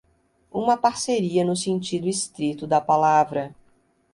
Uma parceria no sentido estrito da palavra.